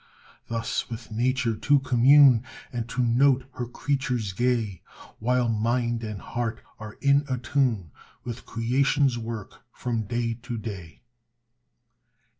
Thus with Nature to commune, And to note her creatures gay; While mind and heart are in attune, With creation's work from day to day.